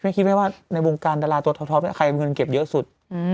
คุณแม่คิดไหมว่าในวงการดาราตัวท้อใครเงินเก็บเยอะสุด